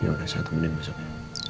ya oke satu menit besok ya